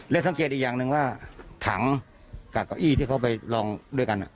และสังเกตอีกอย่างหนึ่งว่าถังกับเก้าอี้ที่เขาไปลองด้วยกัน